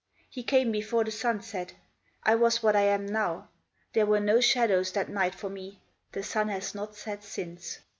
He came before the sun set ; I was what I am now ; there were no shadows that night for me ; the sun has not set since."